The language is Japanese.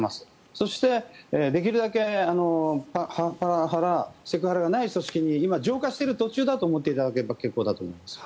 そして、できるだけパワハラ、セクハラがない組織に今、浄化している途中だと思っていただければ結構だと思います。